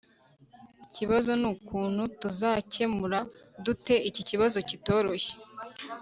ikibazo nukuntu tuzakemura dute iki kibazo kitoroshye